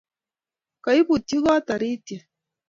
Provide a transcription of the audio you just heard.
koibutchi kot taritiet